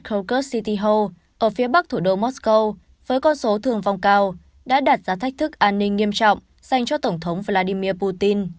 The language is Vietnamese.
krokus city ho ở phía bắc thủ đô mosco với con số thường vong cao đã đặt ra thách thức an ninh nghiêm trọng dành cho tổng thống vladimir putin